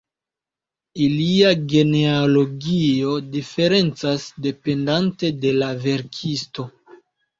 Ilia genealogio diferencas dependante de la verkisto.